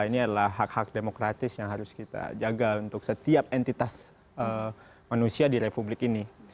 ini adalah hak hak demokratis yang harus kita jaga untuk setiap entitas manusia di republik ini